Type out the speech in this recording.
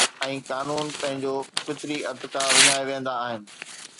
۽ قانون پنهنجو فطري ارتقا وڃائي ويهندا آهن